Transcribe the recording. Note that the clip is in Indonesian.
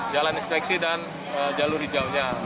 jalan inspeksi dan jalur hijau nya